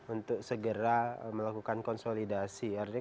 untuk segera melakukan konsolidasi